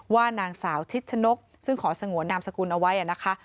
ว่านางสาวชิดชนกซึ่งขอสงวนนามสกุลเอาไว้นะคะ